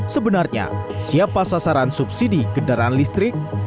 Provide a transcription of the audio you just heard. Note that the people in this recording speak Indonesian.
sebenarnya siapa sasaran subsidi kendaraan listrik